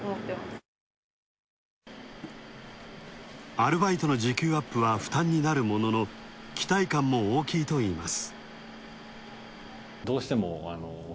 アルバイトの時給アップは負担になるものの、期待感も大きいといいます。